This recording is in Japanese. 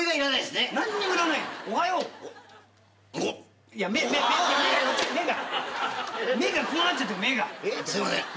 すいません。